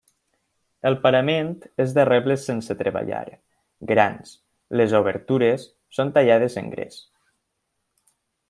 El parament és de rebles sense treballar, grans; les obertures són tallades en gres.